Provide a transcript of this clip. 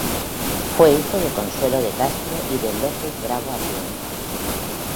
Fue hijo de Consuelo de Castro y de López-Bravo Atienza.